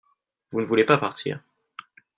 vous ne voulez pas partir.